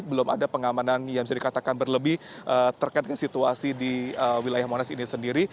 belum ada pengamanan yang bisa dikatakan berlebih terkait dengan situasi di wilayah monas ini sendiri